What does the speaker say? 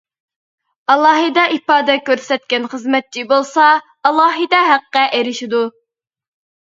ئالاھىدە ئىپادە كۆرسەتكەن خىزمەتچى بولسا، ئالاھىدە ھەققە ئېرىشىدۇ.